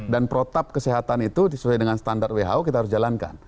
dan protap kesehatan itu disesuaikan dengan standar who kita harus jalankan